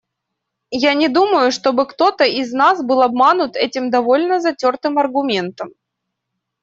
Я не думаю, чтобы кто-то из нас был обманут этим довольно затертым аргументом.